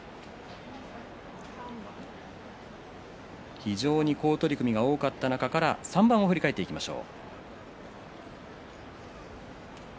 非常に好取組が多かった中から３番振り返っていきましょう。